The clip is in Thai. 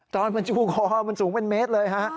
ตอนมันชูคอมันสูงเป็นเมตรเลยฮะ